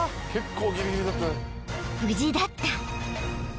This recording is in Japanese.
［無事だった］